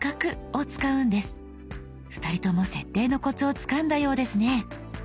２人とも設定のコツをつかんだようですね。